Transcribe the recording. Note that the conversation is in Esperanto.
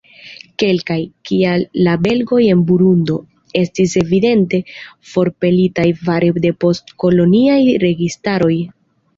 Kelkaj, kiaj la belgoj en Burundo, estis evidente forpelitaj fare de post-koloniaj registaroj.